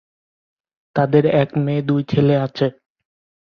তাদের এক মেয়ে ও দুই ছেলে আছে।